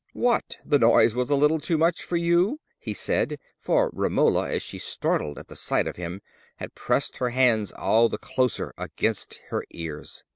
"What! the noise was a little too much for you?" he said; for Romola, as she started at the sight of him, had pressed her hands all the closer against her ears.